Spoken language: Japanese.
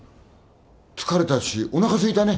疲れたしおなかすいたね。